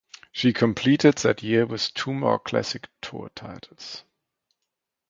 She completed that year with two more Classic tour titles.